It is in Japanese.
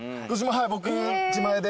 はい僕自前で。